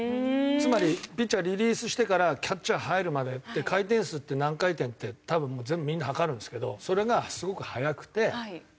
つまりピッチャーがリリースしてからキャッチャー入るまでって回転数って何回転って多分全部みんな測るんですけどそれがすごく速くて。